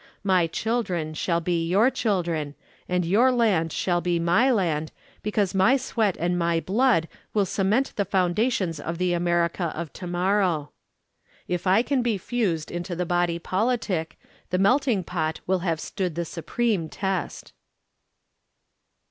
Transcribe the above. My children shall be your children and your land shall be my land because my sweat and my blood will cement the foundations of the America of To Morrow. If I can be fused into the body politic, the Melting Pot will have stood the supreme test.